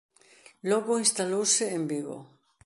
Logo instalouse en Vigo.